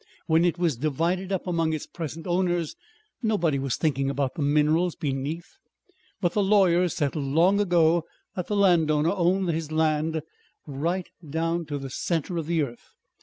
When it was divided up among its present owners nobody was thinking about the minerals beneath. But the lawyers settled long ago that the landowner owned his land right down to the centre of the earth.